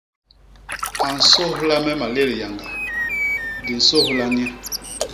A nsôlha me malét yañga; di nsôlha nye.